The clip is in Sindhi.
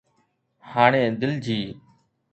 هاڻي دل جي